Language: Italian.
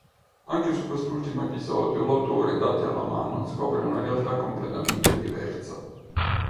Anche su quest'ultimo episodio l'autore dati alla mano scopre una realtà completamente diversa.